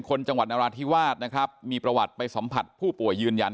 จังหวัดนราธิวาสนะครับมีประวัติไปสัมผัสผู้ป่วยยืนยัน